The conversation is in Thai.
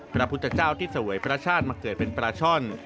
พระพุทธเจ้าที่เสวยพระชาติมาเกิดเป็นปลาช่อน